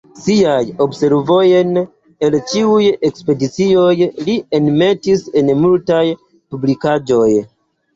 Siajn observojn el ĉiuj ekspedicioj li enmetis en multaj publikaĵoj.